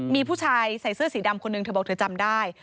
มีผู้ชายใส่เสื้อสีดำคนหนึ่งเธอบอกเธอจำได้